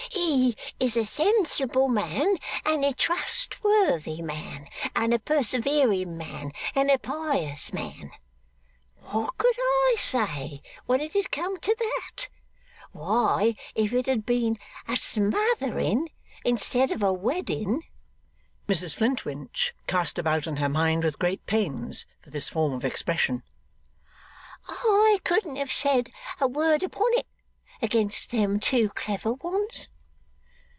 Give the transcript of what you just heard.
He is a sensible man, and a trustworthy man, and a persevering man, and a pious man." What could I say when it had come to that? Why, if it had been a smothering instead of a wedding,' Mrs Flintwinch cast about in her mind with great pains for this form of expression, 'I couldn't have said a word upon it, against them two clever ones.